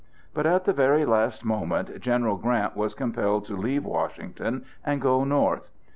But at the very last moment General Grant was compelled to leave Washington and go North.